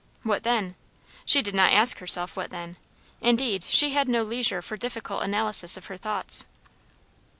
What then? She did not ask herself what then. Indeed, she had no leisure for difficult analysis of her thoughts.